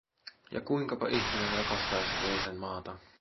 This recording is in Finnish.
Ja kuinkapa ihminen rakastaisi toisen maata.